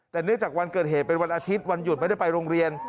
แต่เนื่องจากวันเกิดเหตุเป็นวันอาทิตย์วันหยุดไม่ได้ไปโรงเรียน